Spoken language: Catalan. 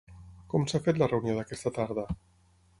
Com s'ha fet la reunió d'aquesta tarda?